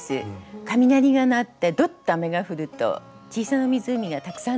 雷が鳴ってどっと雨が降ると小さな湖がたくさんできるんですね。